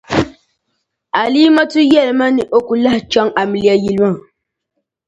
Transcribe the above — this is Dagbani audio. Alimatu yεli ma ni o ku lahi chaŋ amiliya yili maa.